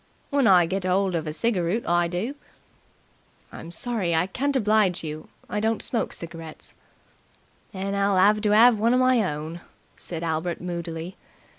"When I get 'old of a cigaroot I do." "I'm sorry I can't oblige you. I don't smoke cigarettes." "Then I'll 'ave to 'ave one of my own," said Albert moodily.